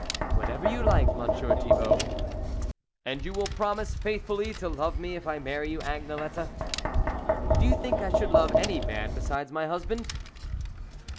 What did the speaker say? "Whenever you like, Monsieur Thi bault." "And you will promise faithfully to love me if I marry you, Agnelette ?"" Do you think I should love any man besides my husband